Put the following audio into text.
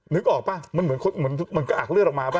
นึกออกป่ะมันเหมือนคนเหมือนมันก็อักเลือดออกมาป่